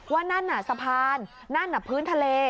ว่านั่นน่ะสะพานนั่นน่ะพื้นทะเล